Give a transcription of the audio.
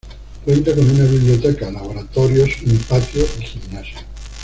Cuenta con una biblioteca, laboratorios, un patio y gimnasio.